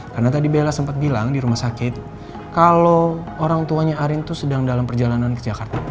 karena tadi bella sempat bilang di rumah sakit kalau orang tuanya arin itu sedang dalam perjalanan ke jakarta